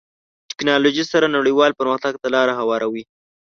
ټکنالوژي سره نړیوال پرمختګ ته لاره هواروي.